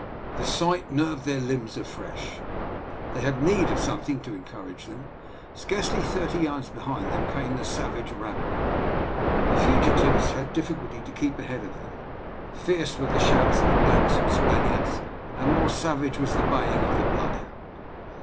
The sight nerved their limbs afresh; they had need of something to encourage them. Scarcely thirty yards behind them came the savage rabble. The fugitives had difficulty to keep ahead of them. Fierce were the shouts of blacks and Spaniards, and more savage was the baying of the bloodhound.